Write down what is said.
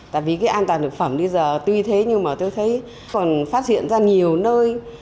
tại vì cái an toàn thực phẩm bây giờ tuy thế nhưng mà tôi thấy còn phát hiện ra nhiều nơi